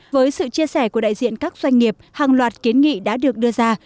với sự chia sẻ của đại diện các doanh nghiệp hàng loạt kiến nghị đã được đưa ra